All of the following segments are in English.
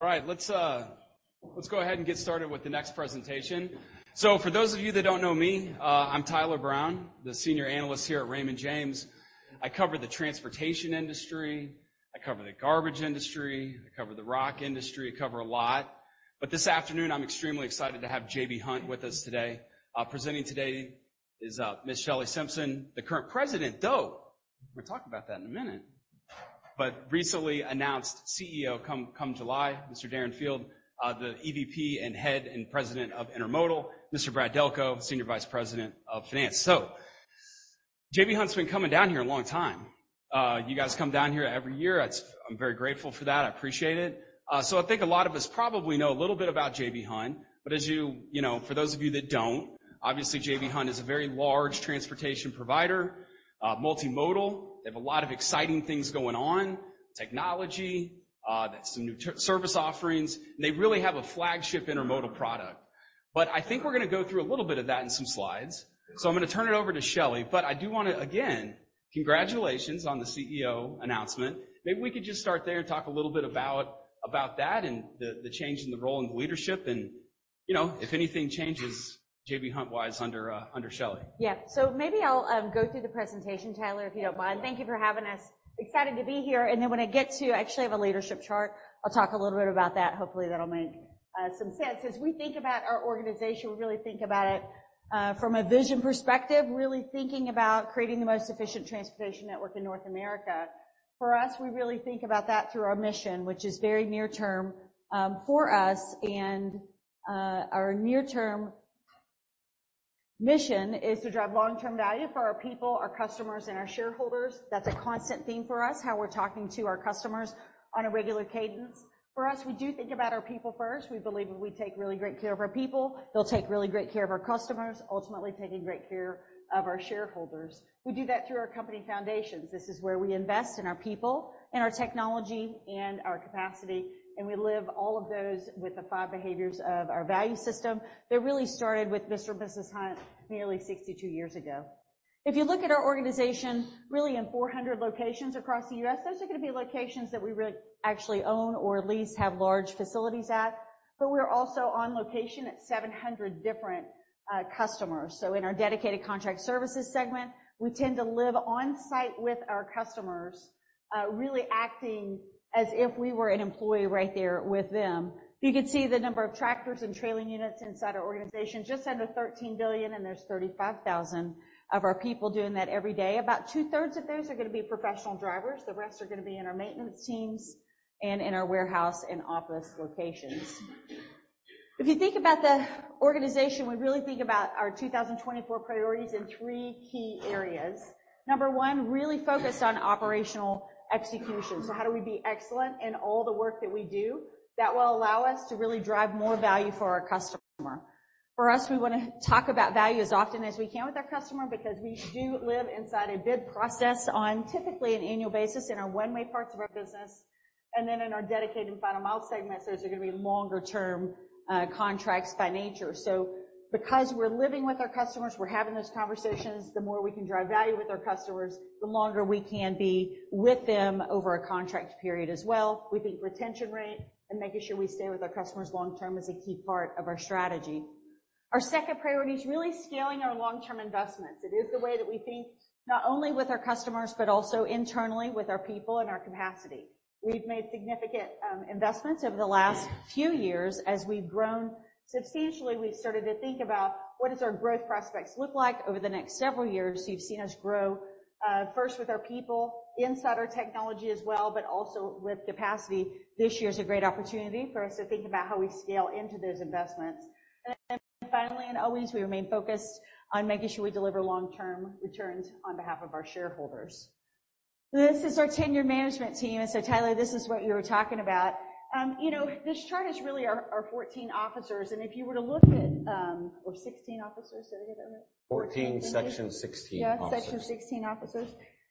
All right, let's go ahead and get started with the next presentation. So for those of you that don't know me, I'm Tyler Brown, the Senior Analyst here at Raymond James. I cover the transportation industry, I cover the garbage industry, I cover the rock industry, I cover a lot. But this afternoon I'm extremely excited to have J.B. Hunt with us today. Presenting today is Ms. Shelley Simpson, the current President, though we're going to talk about that in a minute, but recently announced CEO come July, Mr. Darren Field, the EVP and head and President of Intermodal, Mr. Brad Delco, Senior Vice President of Finance. So J.B. Hunt's been coming down here a long time. You guys come down here every year. I'm very grateful for that. I appreciate it. So I think a lot of us probably know a little bit about J.B. Hunt. But as you—you know, for those of you that don't, obviously J.B. Hunt is a very large transportation provider, multimodal. They have a lot of exciting things going on: technology, some new service offerings. And they really have a flagship intermodal product. But I think we're going to go through a little bit of that in some slides. So I'm going to turn it over to Shelley. But I do want to, again, congratulations on the CEO announcement. Maybe we could just start there and talk a little bit about that and the change in the role and the leadership. And, you know, if anything changes J.B. Hunt-wise, under Shelley. Yeah. So maybe I'll go through the presentation, Tyler, if you don't mind. Thank you for having us. Excited to be here. And then when I get to—I actually have a leadership chart. I'll talk a little bit about that. Hopefully that'll make some sense. As we think about our organization, we really think about it from a vision perspective, really thinking about creating the most efficient transportation network in North America. For us, we really think about that through our mission, which is very near-term for us. And our near-term mission is to drive long-term value for our people, our customers, and our shareholders. That's a constant theme for us, how we're talking to our customers on a regular cadence. For us, we do think about our people first. We believe if we take really great care of our people, they'll take really great care of our customers, ultimately taking great care of our shareholders. We do that through our company foundations. This is where we invest in our people, in our technology, and our capacity. We live all of those with the five behaviors of our value system. They really started with Mr. J.B. Hunt nearly 62 years ago. If you look at our organization, really in 400 locations across the U.S., those are going to be locations that we really actually own or at least have large facilities at. We're also on location at 700 different customers. In our Dedicated Contract Services segment, we tend to live on-site with our customers, really acting as if we were an employee right there with them. You could see the number of tractors and trailing units inside our organization: just under 13 billion, and there's 35,000 of our people doing that every day. About two-thirds of those are going to be professional drivers. The rest are going to be in our maintenance teams and in our warehouse and office locations. If you think about the organization, we really think about our 2024 priorities in three key areas. Number one, really focus on operational execution. So how do we be excellent in all the work that we do that will allow us to really drive more value for our customer? For us, we want to talk about value as often as we can with our customer because we do live inside a bid process on typically an annual basis in our one-way parts of our business. Then in our dedicated and final-mile segments, those are going to be longer-term contracts by nature. Because we're living with our customers, we're having those conversations, the more we can drive value with our customers, the longer we can be with them over a contract period as well. We think retention rate and making sure we stay with our customers long-term is a key part of our strategy. Our second priority is really scaling our long-term investments. It is the way that we think not only with our customers but also internally with our people and our capacity. We've made significant investments over the last few years. As we've grown substantially, we've started to think about what does our growth prospects look like over the next several years. You've seen us grow first with our people, inside our technology as well, but also with capacity. This year is a great opportunity for us to think about how we scale into those investments. And then finally and always, we remain focused on making sure we deliver long-term returns on behalf of our shareholders. This is our tenure management team. And so, Tyler, this is what you were talking about. You know, this chart is really our 14 officers. And if you were to look at, or 16 officers? Did I get that right? 14 Section 16 Officers. Yeah, Section 16 Officers.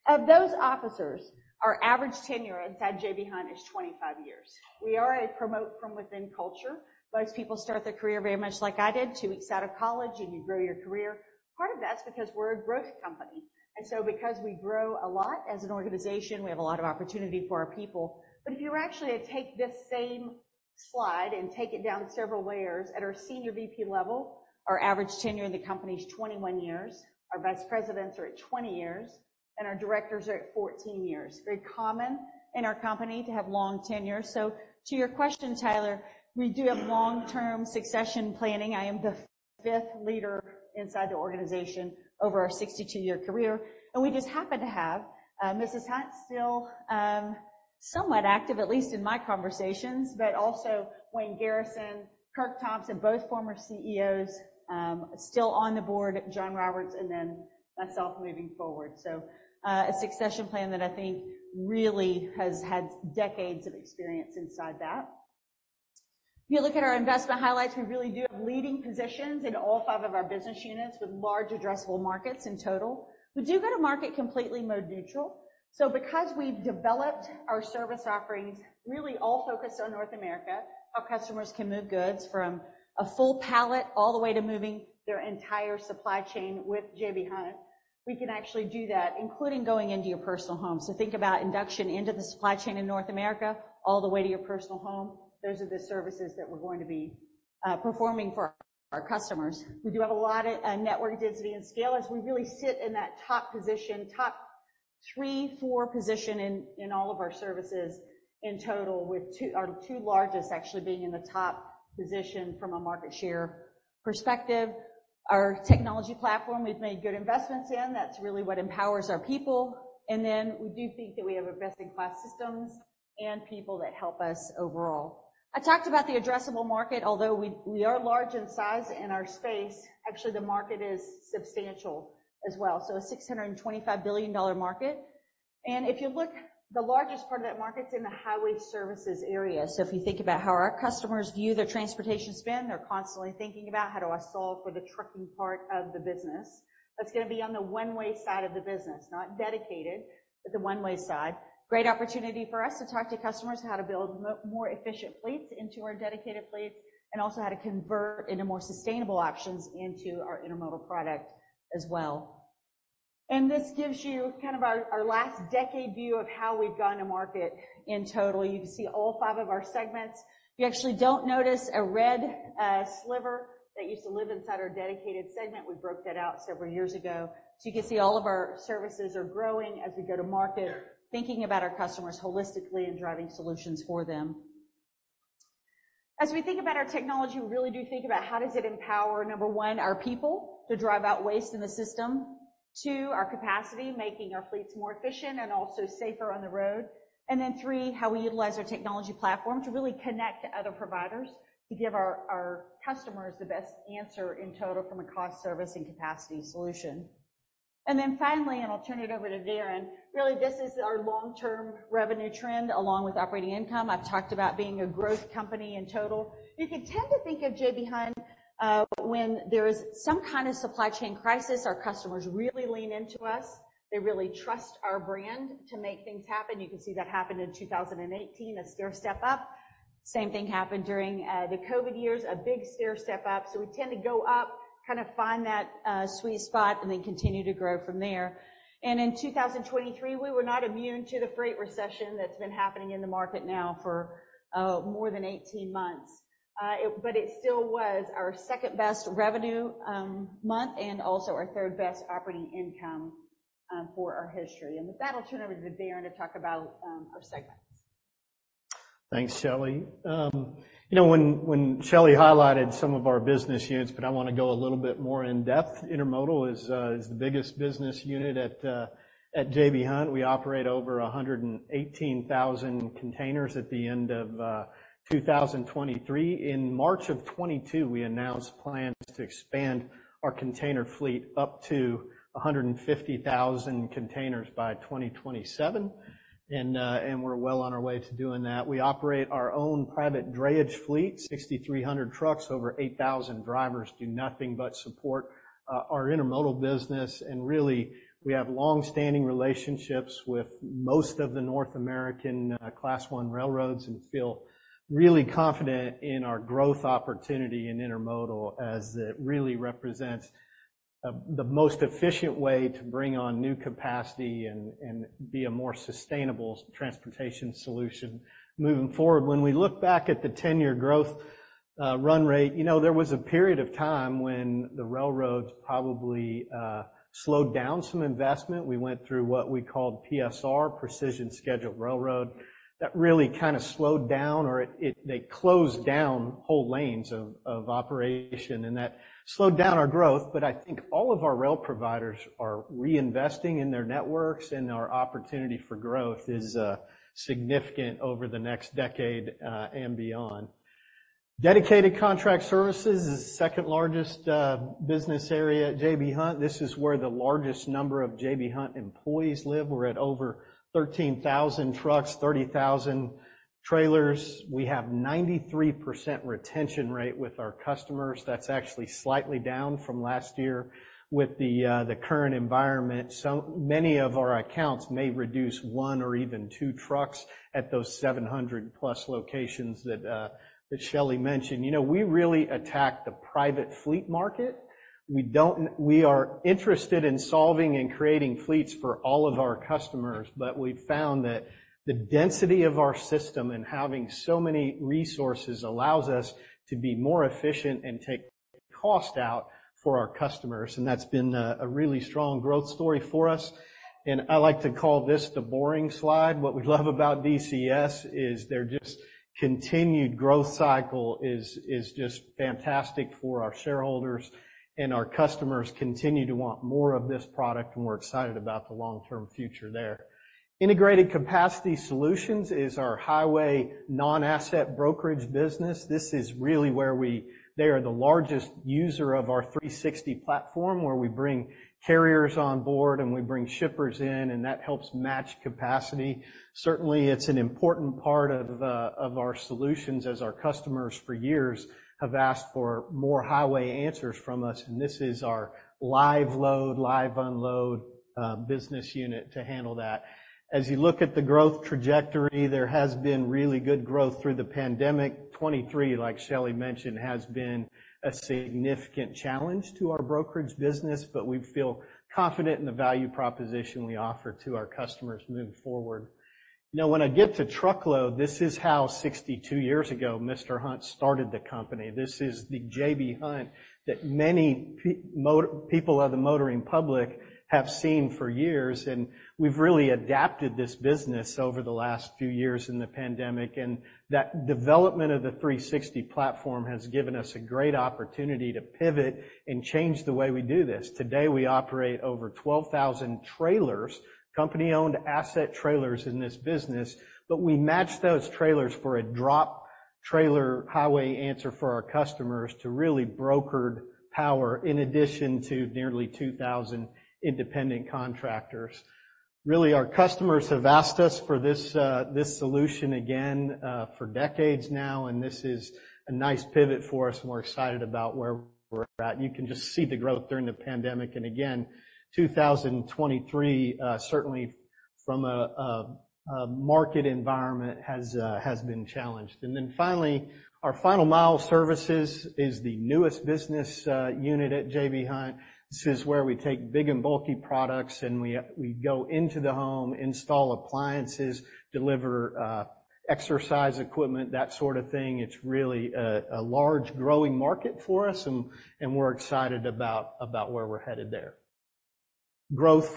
Of those officers, our average tenure inside J.B. Hunt is 25 years. We are a promote from within culture. Most people start their career very much like I did, 2 weeks out of college, and you grow your career. Part of that's because we're a growth company. And so because we grow a lot as an organization, we have a lot of opportunity for our people. But if you were actually to take this same slide and take it down several layers, at our senior VP level, our average tenure in the company is 21 years. Our vice presidents are at 20 years, and our directors are at 14 years. Very common in our company to have long tenures. So to your question, Tyler, we do have long-term succession planning. I am the fifth leader inside the organization over our 62-year career. We just happen to have Mrs. Hunt still somewhat active, at least in my conversations, but also Wayne Garrison, Kirk Thompson, both former CEOs, still on the board, John Roberts, and then myself moving forward. A succession plan that I think really has had decades of experience inside that. If you look at our investment highlights, we really do have leading positions in all five of our business units with large addressable markets in total. We do go to market completely mode neutral. Because we've developed our service offerings really all focused on North America, how customers can move goods from a full pallet all the way to moving their entire supply chain with J.B. Hunt, we can actually do that, including going into your personal home. Think about induction into the supply chain in North America all the way to your personal home. Those are the services that we're going to be performing for our customers. We do have a lot of network density and scale as we really sit in that top 3, 4 position in all of our services in total, with our 2 largest actually being in the top position from a market share perspective. Our technology platform, we've made good investments in. That's really what empowers our people. And then we do think that we have best-in-class systems and people that help us overall. I talked about the addressable market. Although we are large in size in our space, actually the market is substantial as well. So a $625 billion market. And if you look, the largest part of that market's in the highway services area. So if you think about how our customers view their transportation spend, they're constantly thinking about how do I solve for the trucking part of the business that's going to be on the one-way side of the business, not dedicated, but the one-way side. Great opportunity for us to talk to customers how to build more efficient fleets into our dedicated fleets and also how to convert into more sustainable options into our intermodal product as well. And this gives you kind of our last decade view of how we've gone to market in total. You can see all five of our segments. You actually don't notice a red sliver that used to live inside our dedicated segment. We broke that out several years ago. So you can see all of our services are growing as we go to market, thinking about our customers holistically and driving solutions for them. As we think about our technology, we really do think about how does it empower, number one, our people to drive out waste in the system, two, our capacity, making our fleets more efficient and also safer on the road, and then three, how we utilize our technology platform to really connect to other providers to give our customers the best answer in total from a cost service and capacity solution. Then finally, and I'll turn it over to Darren, really this is our long-term revenue trend along with operating income. I've talked about being a growth company in total. You could tend to think of J.B. Hunt when there is some kind of supply chain crisis, our customers really lean into us. They really trust our brand to make things happen. You can see that happened in 2018, a stair step up. Same thing happened during the COVID years, a big stair step up. So we tend to go up, kind of find that sweet spot, and then continue to grow from there. And in 2023, we were not immune to the freight recession that's been happening in the market now for more than 18 months. But it still was our second best revenue month and also our third best operating income for our history. And with that, I'll turn over to Darren to talk about our segments. Thanks, Shelley. You know, when Shelley highlighted some of our business units, but I want to go a little bit more in depth. Intermodal is the biggest business unit at J.B. Hunt. We operate over 118,000 containers at the end of 2023. In March of 2022, we announced plans to expand our container fleet up to 150,000 containers by 2027. And we're well on our way to doing that. We operate our own private drayage fleet, 6,300 trucks. Over 8,000 drivers do nothing but support our intermodal business. And really, we have longstanding relationships with most of the North American Class I railroads and feel really confident in our growth opportunity in intermodal as it really represents the most efficient way to bring on new capacity and be a more sustainable transportation solution. Moving forward, when we look back at the tenure growth run rate, you know, there was a period of time when the railroads probably slowed down some investment. We went through what we called PSR, Precision Scheduled Railroading. That really kind of slowed down, or they closed down whole lanes of operation. And that slowed down our growth. But I think all of our rail providers are reinvesting in their networks. And our opportunity for growth is significant over the next decade and beyond. Dedicated Contract Services is the second largest business area at J.B. Hunt. This is where the largest number of J.B. Hunt employees live. We're at over 13,000 trucks, 30,000 trailers. We have a 93% retention rate with our customers. That's actually slightly down from last year with the current environment. So many of our accounts may reduce one or even two trucks at those 700+ locations that Shelley mentioned. You know, we really attack the private fleet market. We are interested in solving and creating fleets for all of our customers. But we've found that the density of our system and having so many resources allows us to be more efficient and take cost out for our customers. And that's been a really strong growth story for us. And I like to call this the boring slide. What we love about DCS is their just continued growth cycle is just fantastic for our shareholders. And our customers continue to want more of this product. And we're excited about the long-term future there. Integrated Capacity Solutions is our highway non-asset brokerage business. This is really where they are the largest user of our 360 platform, where we bring carriers on board and we bring shippers in. And that helps match capacity. Certainly, it's an important part of our solutions as our customers for years have asked for more highway answers from us. And this is our live load, live unload business unit to handle that. As you look at the growth trajectory, there has been really good growth through the pandemic. 2023, like Shelley mentioned, has been a significant challenge to our brokerage business. But we feel confident in the value proposition we offer to our customers moving forward. You know, when I get to truckload, this is how 62 years ago Mr. Hunt started the company. This is the J.B. Hunt that many people of the motoring public have seen for years. We've really adapted this business over the last few years in the pandemic. That development of the 360 platform has given us a great opportunity to pivot and change the way we do this. Today, we operate over 12,000 trailers, company-owned asset trailers in this business. We match those trailers for a drop trailer highway answer for our customers to really brokered power in addition to nearly 2,000 independent contractors. Really, our customers have asked us for this solution again for decades now. This is a nice pivot for us. We're excited about where we're at. You can just see the growth during the pandemic. Again, 2023, certainly from a market environment, has been challenged. Then finally, our Final Mile Services is the newest business unit at J.B. Hunt. This is where we take big and bulky products. We go into the home, install appliances, deliver exercise equipment, that sort of thing. It's really a large growing market for us. We're excited about where we're headed there. As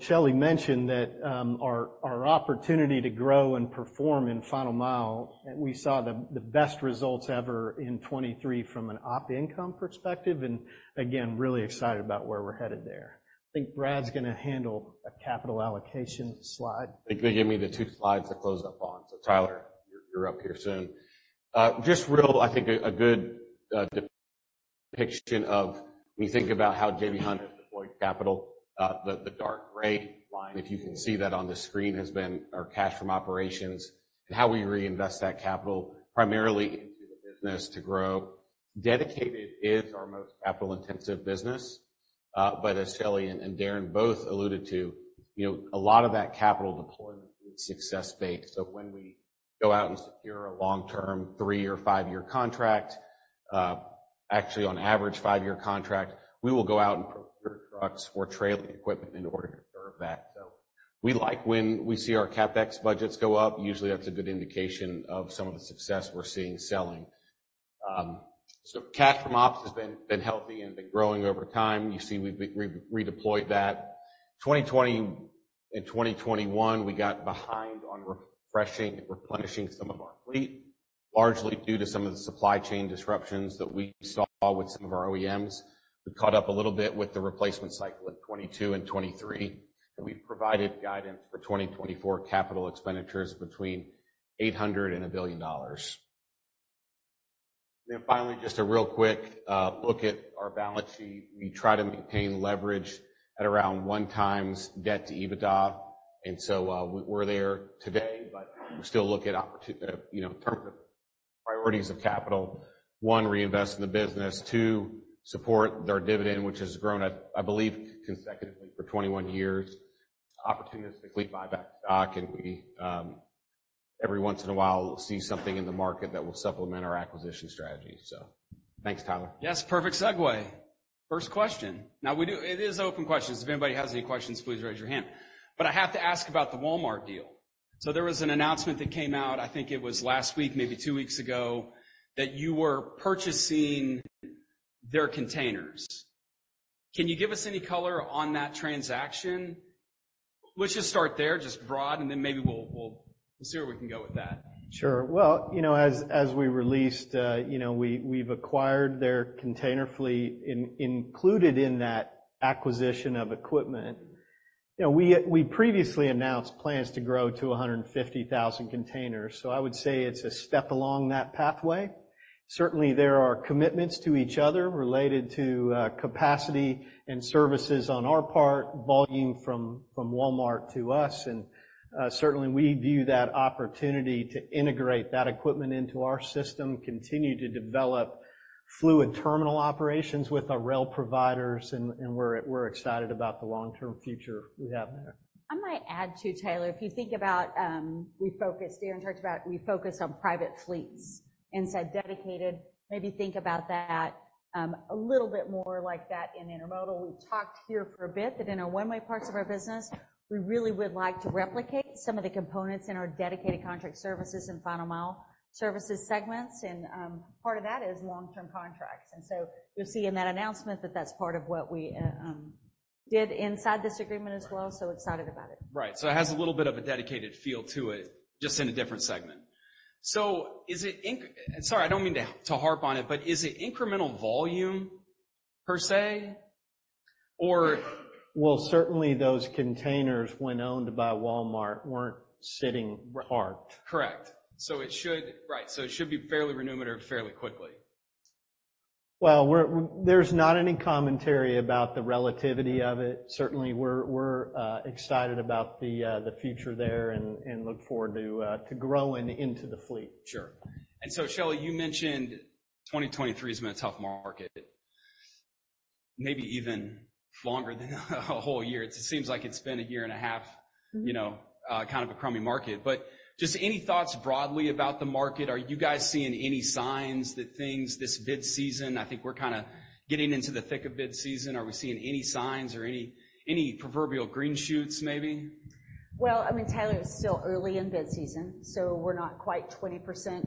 Shelley mentioned that our opportunity to grow and perform in Final Mile, we saw the best results ever in 2023 from an op income perspective. Again, really excited about where we're headed there. I think Brad's going to handle a capital allocation slide. I think they gave me the 2 slides to close up on. So, Tyler, you're up here soon. Just real, I think, a good depiction of when you think about how J.B. Hunt has deployed capital, the dark gray line, if you can see that on the screen, has been our cash from operations and how we reinvest that capital primarily into the business to grow. Dedicated is our most capital-intensive business. But as Shelley and Darren both alluded to, a lot of that capital deployment is success-based. So when we go out and secure a long-term 3 or 5-year contract, actually on average 5-year contract, we will go out and procure trucks or trailing equipment in order to serve that. So we like when we see our CapEx budgets go up. Usually, that's a good indication of some of the success we're seeing selling. So cash from ops has been healthy and been growing over time. You see we've redeployed that. In 2020 and 2021, we got behind on refreshing and replenishing some of our fleet, largely due to some of the supply chain disruptions that we saw with some of our OEMs. We caught up a little bit with the replacement cycle in 2022 and 2023. We provided guidance for 2024 capital expenditures between $800 and $1 billion. Then finally, just a real quick look at our balance sheet. We try to maintain leverage at around 1x debt to EBITDA. So we're there today. But we still look at, in terms of priorities of capital, one, reinvest in the business. Two, support our dividend, which has grown, I believe, consecutively for 21 years. Opportunistically buy back stock. Every once in a while, we'll see something in the market that will supplement our acquisition strategy. Thanks, Tyler. Yes. Perfect segue. First question. Now, it is open questions. If anybody has any questions, please raise your hand. But I have to ask about the Walmart deal. So there was an announcement that came out, I think it was last week, maybe two weeks ago, that you were purchasing their containers. Can you give us any color on that transaction? Let's just start there, just broad. And then maybe we'll see where we can go with that. Sure. Well, as we released, we've acquired their container fleet included in that acquisition of equipment. We previously announced plans to grow to 150,000 containers. So I would say it's a step along that pathway. Certainly, there are commitments to each other related to capacity and services on our part, volume from Walmart to us. And certainly, we view that opportunity to integrate that equipment into our system, continue to develop fluid terminal operations with our rail providers. And we're excited about the long-term future we have there. I might add too, Tyler, if you think about we focused, Darren talked about we focus on private fleets and said dedicated, maybe think about that a little bit more like that in intermodal. We've talked here for a bit that in our one-way parts of our business, we really would like to replicate some of the components in our Dedicated Contract Services and Final Mile Services segments. And part of that is long-term contracts. And so you'll see in that announcement that that's part of what we did inside this agreement as well. So excited about it. Right. So it has a little bit of a dedicated feel to it, just in a different segment. So, is it? Sorry, I don't mean to harp on it, but is it incremental volume per se, or? Well, certainly, those containers, when owned by Walmart, weren't sitting parked. Correct. So it should be right. So it should be fairly imminent or fairly quickly. Well, there's not any commentary about the relativity of it. Certainly, we're excited about the future there and look forward to growing into the fleet. Sure. And so, Shelley, you mentioned 2023 has been a tough market, maybe even longer than a whole year. It seems like it's been a year and a half, kind of a crummy market. But just any thoughts broadly about the market? Are you guys seeing any signs that things this bid season? I think we're kind of getting into the thick of bid season. Are we seeing any signs or any proverbial green shoots, maybe? Well, I mean, Tyler, it's still early in bid season. We're not quite 20%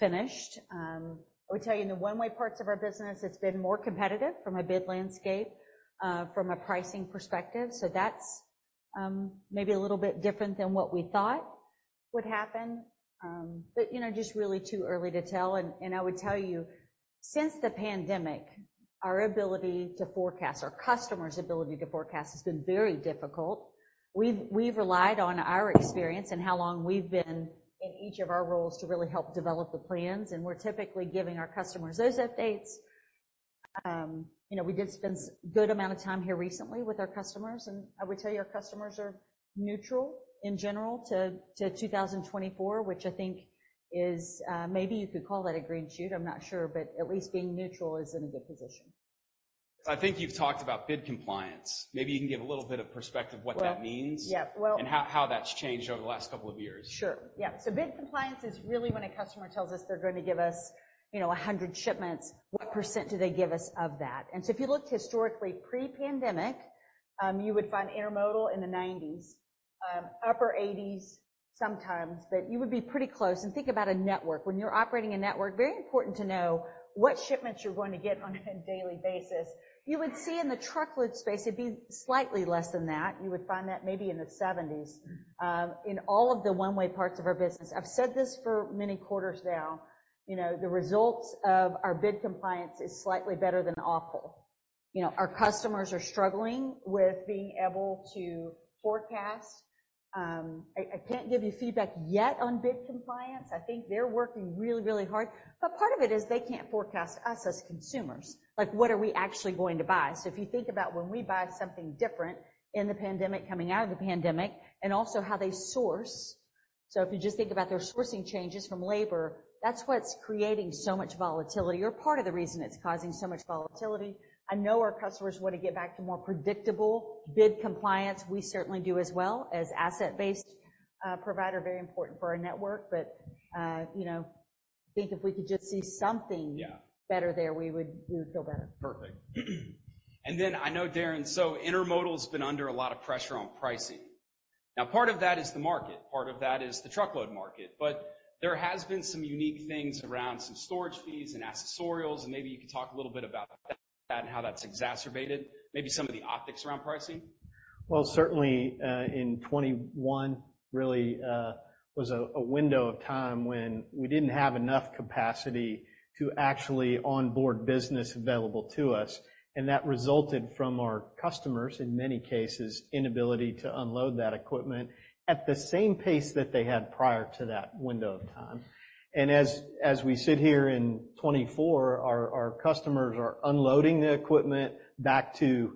finished. I would tell you, in the one-way parts of our business, it's been more competitive from a bid landscape, from a pricing perspective. That's maybe a little bit different than what we thought would happen. Just really too early to tell. I would tell you, since the pandemic, our ability to forecast, our customers' ability to forecast, has been very difficult. We've relied on our experience and how long we've been in each of our roles to really help develop the plans. We're typically giving our customers those updates. We did spend a good amount of time here recently with our customers. I would tell you, our customers are neutral in general to 2024, which I think is maybe you could call that a green shoot. I'm not sure. But at least being neutral is in a good position. I think you've talked about Bid Compliance. Maybe you can give a little bit of perspective what that means and how that's changed over the last couple of years? Sure. Yeah. So Bid Compliance is really when a customer tells us they're going to give us 100 shipments. What percent do they give us of that? So if you looked historically pre-pandemic, you would find Intermodal in the 90%, upper 80% sometimes. But you would be pretty close. Think about a network. When you're operating a network, very important to know what shipments you're going to get on a daily basis. You would see in the Truckload space, it'd be slightly less than that. You would find that maybe in the 70%. In all of the one-way parts of our business, I've said this for many quarters now, the results of our Bid Compliance is slightly better than awful. Our customers are struggling with being able to forecast. I can't give you feedback yet on Bid Compliance. I think they're working really, really hard. But part of it is they can't forecast us as consumers. What are we actually going to buy? So if you think about when we buy something different in the pandemic, coming out of the pandemic, and also how they source, so if you just think about their sourcing changes from labour, that's what's creating so much volatility or part of the reason it's causing so much volatility. I know our customers want to get back to more predictable Bid Compliance. We certainly do as well as asset-based provider, very important for our network. But I think if we could just see something better there, we would feel better. Perfect. Then I know, Darren, so intermodal has been under a lot of pressure on pricing. Now, part of that is the market. Part of that is the truckload market. But there have been some unique things around some storage fees and accessorials. And maybe you could talk a little bit about that and how that's exacerbated, maybe some of the optics around pricing. Well, certainly, in 2021 really was a window of time when we didn't have enough capacity to actually onboard business available to us. That resulted from our customers, in many cases, inability to unload that equipment at the same pace that they had prior to that window of time. As we sit here in 2024, our customers are unloading the equipment back to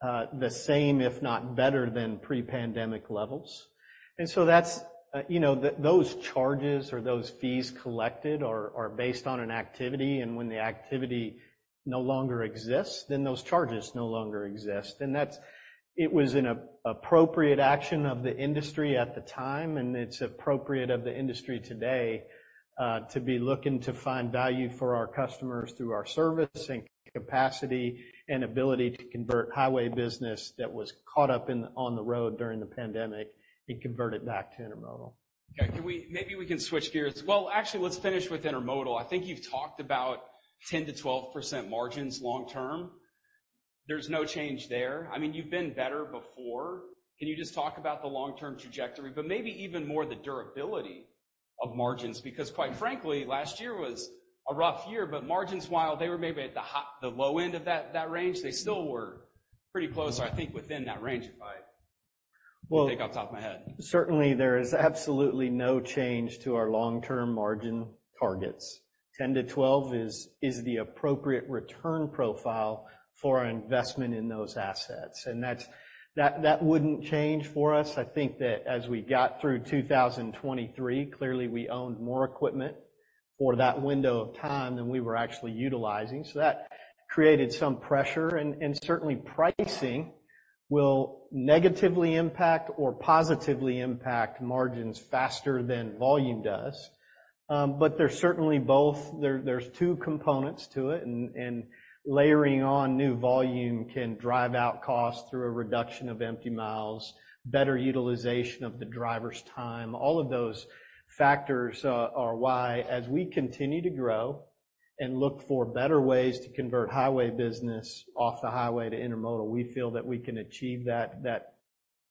the same, if not better, than pre-pandemic levels. So those charges or those fees collected are based on an activity. When the activity no longer exists, then those charges no longer exist. It was an appropriate action of the industry at the time. It's appropriate of the industry today to be looking to find value for our customers through our service and capacity and ability to convert highway business that was caught up on the road during the pandemic and convert it back to intermodal. Okay. Maybe we can switch gears. Well, actually, let's finish with intermodal. I think you've talked about 10%-12% margins long term. There's no change there. I mean, you've been better before. Can you just talk about the long-term trajectory, but maybe even more the durability of margins? Because quite frankly, last year was a rough year. But margins while, they were maybe at the low end of that range, they still were pretty close, I think, within that range, if I think off the top of my head. Certainly, there is absolutely no change to our long-term margin targets. 10%-12% is the appropriate return profile for our investment in those assets. That wouldn't change for us. I think that as we got through 2023, clearly, we owned more equipment for that window of time than we were actually utilizing. That created some pressure. Certainly, pricing will negatively impact or positively impact margins faster than volume does. There's certainly both. There's 2 components to it. Layering on new volume can drive out costs through a reduction of empty miles, better utilization of the driver's time. All of those factors are why, as we continue to grow and look for better ways to convert highway business off the highway to intermodal, we feel that we can achieve that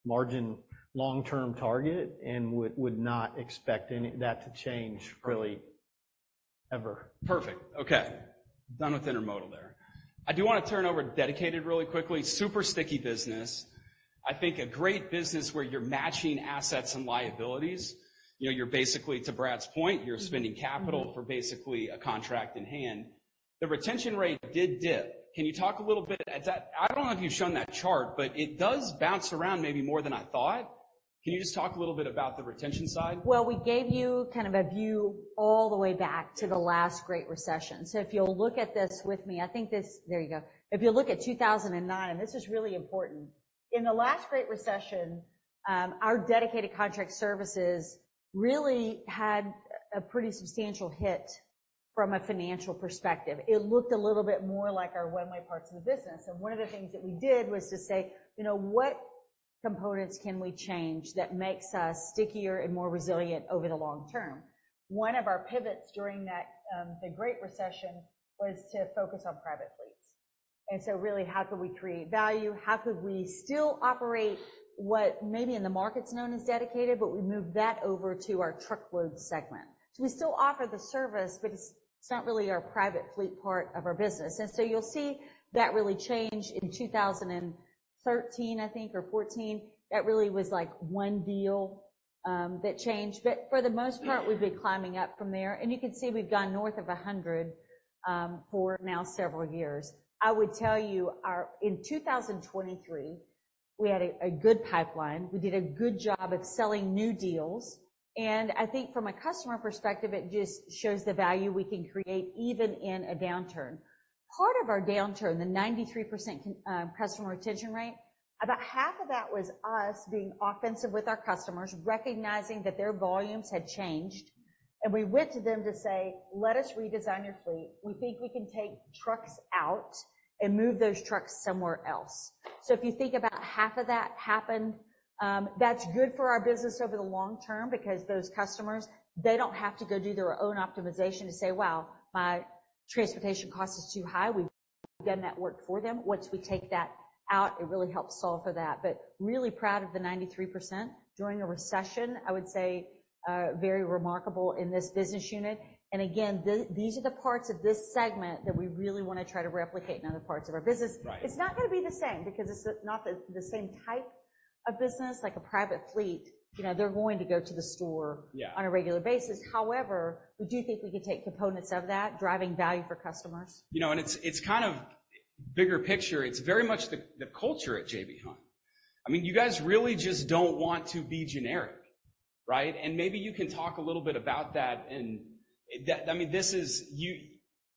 margin long-term target and would not expect that to change really ever. Perfect. Okay. Done with intermodal there. I do want to turn over to dedicated really quickly. Super sticky business. I think a great business where you're matching assets and liabilities. You're basically, to Brad's point, you're spending capital for basically a contract in hand. The retention rate did dip. Can you talk a little bit? I don't know if you've shown that chart, but it does bounce around maybe more than I thought. Can you just talk a little bit about the retention side? Well, we gave you kind of a view all the way back to the last Great Recession. So if you'll look at this with me, I think this, there you go. If you look at 2009, and this is really important, in the last Great Recession, our Dedicated Contract Services really had a pretty substantial hit from a financial perspective. It looked a little bit more like our one-way parts of the business. And one of the things that we did was to say, "What components can we change that makes us stickier and more resilient over the long term?" One of our pivots during the Great Recession was to focus on private fleets. And so really, how could we create value? How could we still operate what maybe in the market's known as dedicated, but we move that over to our truckload segment? So we still offer the service, but it's not really our private fleet part of our business. And so you'll see that really change in 2013, I think, or 2014. That really was one deal that changed. But for the most part, we've been climbing up from there. And you can see we've gone north of 100 for now several years. I would tell you, in 2023, we had a good pipeline. We did a good job of selling new deals. And I think from a customer perspective, it just shows the value we can create even in a downturn. Part of our downturn, the 93% customer retention rate, about half of that was us being offensive with our customers, recognizing that their volumes had changed. And we went to them to say, "Let us redesign your fleet. We think we can take trucks out and move those trucks somewhere else." So if you think about half of that happened, that's good for our business over the long term because those customers, they don't have to go do their own optimization to say, "Wow, my transportation cost is too high." We've done that work for them. Once we take that out, it really helps solve for that. But really proud of the 93% during a recession, I would say, very remarkable in this business unit. And again, these are the parts of this segment that we really want to try to replicate in other parts of our business. It's not going to be the same because it's not the same type of business, like a private fleet. They're going to go to the store on a regular basis. However, we do think we could take components of that, driving value for customers. And it's kind of bigger picture. It's very much the culture at J.B. Hunt. I mean, you guys really just don't want to be generic, right? And maybe you can talk a little bit about that. And I mean, this is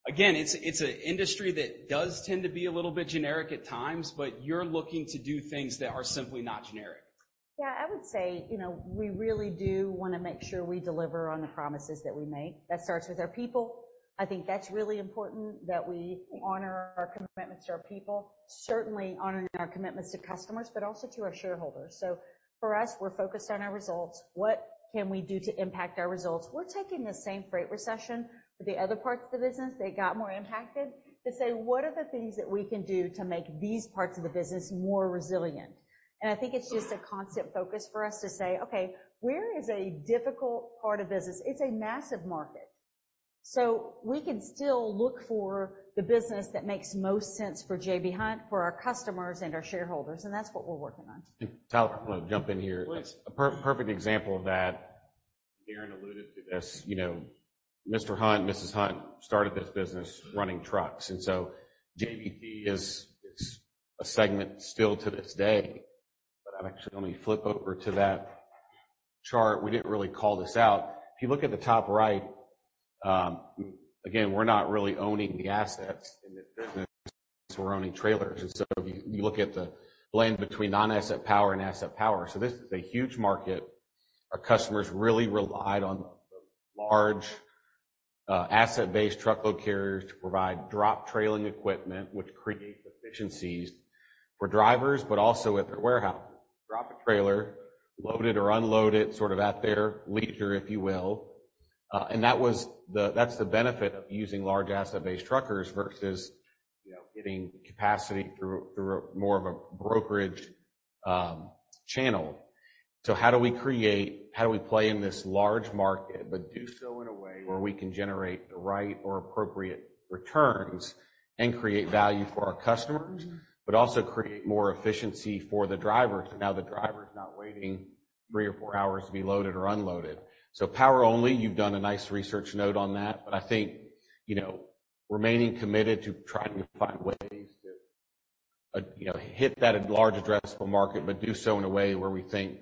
again, it's an industry that does tend to be a little bit generic at times, but you're looking to do things that are simply not generic. Yeah. I would say we really do want to make sure we deliver on the promises that we make. That starts with our people. I think that's really important that we honour our commitments to our people, certainly honouring our commitments to customers, but also to our shareholders. So for us, we're focused on our results. What can we do to impact our results? We're taking the same freight recession for the other parts of the business that got more impacted to say, "What are the things that we can do to make these parts of the business more resilient?" And I think it's just a constant focus for us to say, "Okay, where is a difficult part of business?" It's a massive market. So we can still look for the business that makes most sense for J.B. Hunt, for our customers and our shareholders. That's what we're working on. Tyler, I want to jump in here. A perfect example of that, Darren alluded to this, Mr. Hunt, Mrs. Hunt started this business running trucks. And so J.B. Hunt is a segment still to this day. But I'm actually going to flip over to that chart. We didn't really call this out. If you look at the top right, again, we're not really owning the assets in this business. We're owning trailers. And so if you look at the land between non-asset power and asset power so this is a huge market. Our customers really relied on the large asset-based truckload carriers to provide drop trailer equipment, which creates efficiencies for drivers, but also at their warehouses. Drop a trailer, load it or unload it sort of at their leisure, if you will. And that's the benefit of using large asset-based truckers versus getting capacity through more of a brokerage channel. So how do we play in this large market, but do so in a way where we can generate the right or appropriate returns and create value for our customers, but also create more efficiency for the driver? So now the driver's not waiting three or four hours to be loaded or unloaded. So power only, you've done a nice research note on that. But I think remaining committed to trying to find ways to hit that large addressable market, but do so in a way where we think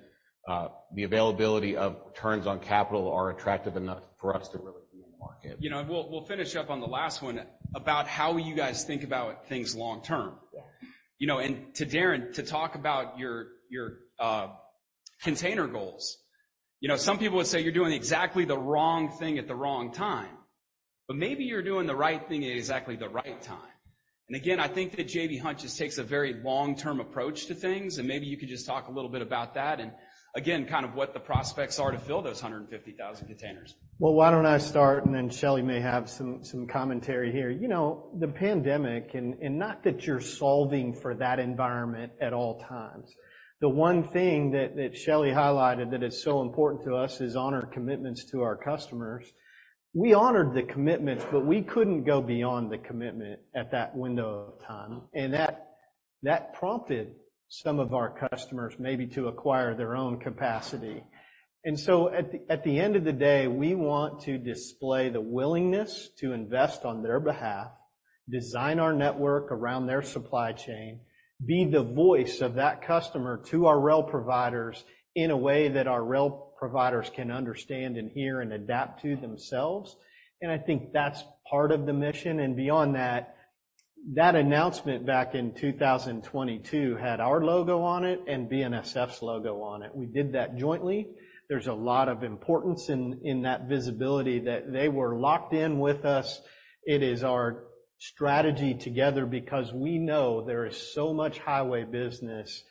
the availability of returns on capital are attractive enough for us to really be in the market. We'll finish up on the last one about how you guys think about things long term. And to Darren, to talk about your container goals, some people would say you're doing exactly the wrong thing at the wrong time. But maybe you're doing the right thing at exactly the right time. And again, I think that J.B. Hunt just takes a very long-term approach to things. And maybe you could just talk a little bit about that and, again, kind of what the prospects are to fill those 150,000 containers. Well, why don't I start? And then Shelley may have some commentary here. The pandemic, and not that you're solving for that environment at all times, the one thing that Shelley highlighted that is so important to us is honor commitments to our customers. We honored the commitments, but we couldn't go beyond the commitment at that window of time. And that prompted some of our customers maybe to acquire their own capacity. And so at the end of the day, we want to display the willingness to invest on their behalf, design our network around their supply chain, be the voice of that customer to our rail providers in a way that our rail providers can understand and hear and adapt to themselves. And I think that's part of the mission. And beyond that, that announcement back in 2022 had our logo on it and BNSF's logo on it. We did that jointly. There's a lot of importance in that visibility that they were locked in with us. It is our strategy together because we know there is so much highway business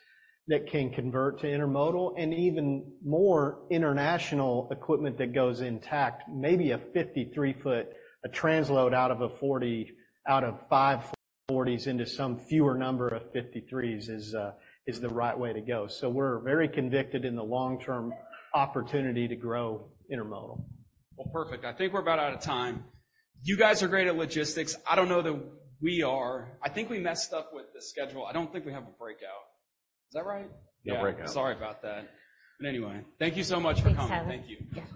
that can convert to intermodal and even more international equipment that goes intact, maybe a 53-foot, a transload out of a 40 out of 5 40s into some fewer number of 53s is the right way to go. So we're very convicted in the long-term opportunity to grow intermodal. Well, perfect. I think we're about out of time. You guys are great at logistics. I don't know that we are. I think we messed up with the schedule. I don't think we have a breakout. Is that right? No breakout. Sorry about that. But anyway, thank you so much for coming. Thanks, Tyler. Thank you.